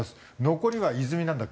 残りは泉なんだっけ？